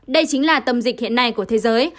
đây chính là tâm dịch hiện nay của thế giới